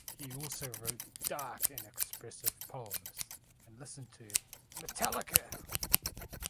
He also wrote dark and expressive poems and listened to Metallica.